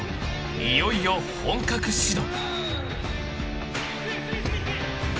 いよいよ本格始動］